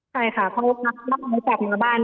ใช่ค่ะเพราะว่าเมื่อจากอยู่ในบ้าน